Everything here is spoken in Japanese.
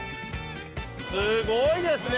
すごいですね！